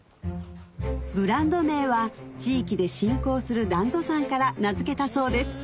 ブランド名は地域で信仰する段戸山から名付けたそうです